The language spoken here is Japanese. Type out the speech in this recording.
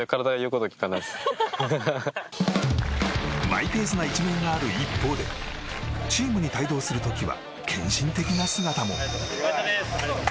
マイペースな一面がある一方でチームに帯同する時は献身的な姿も。